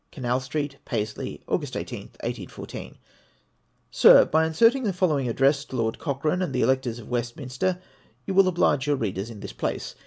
Canal Street, Paisley, Aug. 18th, 1814. Sir, — By inserting the following addresses to Lord Cochrane and the electors of Westminster, you will oblige your readers in this place.